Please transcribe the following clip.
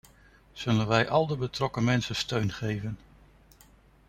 Zullen wij al de betrokken mensen steun geven?